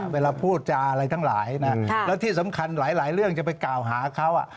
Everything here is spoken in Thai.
เวลาพูดจาอะไรทั้งหลายนะแล้วที่สำคัญหลายเรื่องจะไปกล่าวหาเขา